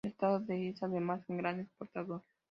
El estado es además un gran exportador.